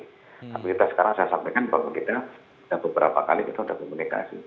tapi kita sekarang saya sampaikan bahwa kita sudah beberapa kali kita sudah komunikasi